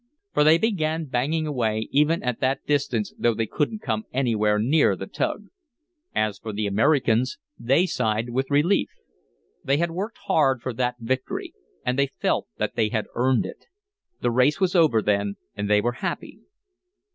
For they began banging away, even at that distance, though they couldn't come anywhere near the tug. As for the Americans, they sighed with relief. They had worked hard for that victory. And they felt that they had earned it. The race was over then, and they were happy.